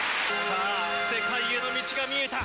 世界への道が見えた！